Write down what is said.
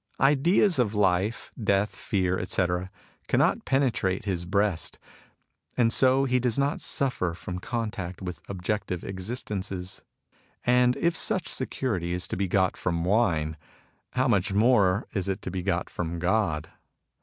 Ideas of life, death, fear, etc., cannot penetrate his breast ; and so he does not suffer f roni con tact with objective existences. And if such security is to be got from wine, how much more is it to be got from God